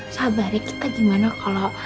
sabar ya kita gimana kalau